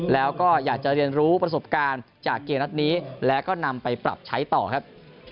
แล้วก็อยากจะเรียนรู้ประสบการณ์จากเกมนัดนี้แล้วก็นำไปปรับใช้ต่อครับ